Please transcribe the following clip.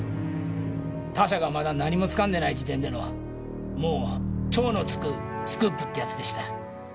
他社がまだ何もつかんでない時点でのもう超のつくスクープってやつでした。